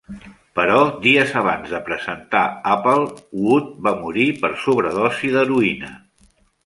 Però dies abans de presentar "Apple", Wood va morir per sobredosis d'heroïna.